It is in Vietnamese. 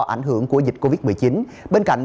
ảnh hưởng của dịch covid một mươi chín bên cạnh